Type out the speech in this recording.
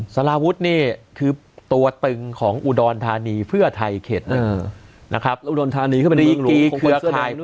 สลาวุธนี่คือตัวตึงของอุดรธานีเพื่อไทยเขตนะครับอุดรธานีเข้าไปในอีกกีของคนสุดยอดด้วย